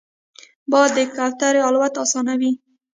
باد د کوترې الوت اسانوي